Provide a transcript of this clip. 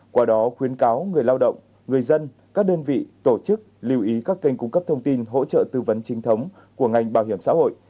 qua đó khuyến cáo người lao động người dân các đơn vị tổ chức lưu ý các kênh cung cấp thông tin hỗ trợ tư vấn chính thống của ngành bảo hiểm xã hội